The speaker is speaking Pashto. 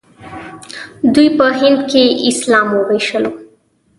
دوی په هند کې اسلام وويشلو.